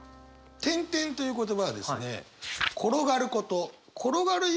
「転輾」という言葉はですね